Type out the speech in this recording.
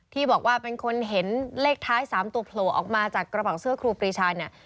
ที่บอกว่าเป็นคนเห็นเลขท้าย๓ตัวโผล่ออกมาจากกระเป๋าเสื้อครูปรีชาเนี่ย